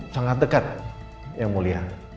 sangat dekat yang mulia